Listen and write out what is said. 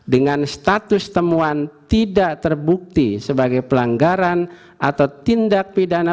dua ribu dua puluh empat dengan status temuan tidak terbukti sebagai pelanggaran atau tindak pidana